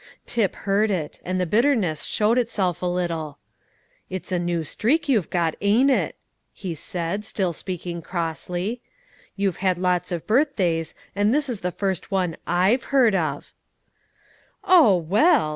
Tip heard it, and his bitterness showed itself a little. "It's a new streak you've got, ain't it?" he said, still speaking crossly. "You've had lots of birthdays, and this is the first one I've heard of." "Oh, well!"